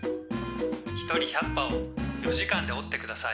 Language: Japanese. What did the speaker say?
一人１００羽を４時間で折ってください」。